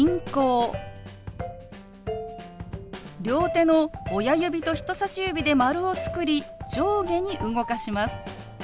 両手の親指と人さし指で丸を作り上下に動かします。